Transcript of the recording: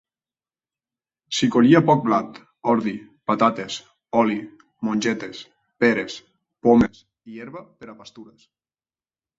S'hi collia poc blat, ordi, patates, oli, mongetes, peres, pomes i herba per a pastures.